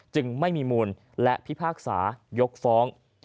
จึงไม่มีมูลและพิพากษายกฟ้อง